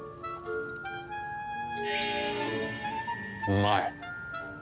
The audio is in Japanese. うまい。